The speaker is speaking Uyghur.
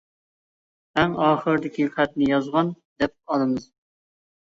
ئەڭ ئاخىرىدىكى خەتنى «يازغان» دەپ ئالىمىز!